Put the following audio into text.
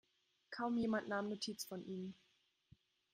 Kaum jemand nahm Notiz von ihm.